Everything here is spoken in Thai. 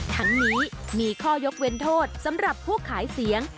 ทั้งนี้มีข้อยกเว้นโทษสำหรับผู้ขายเสียง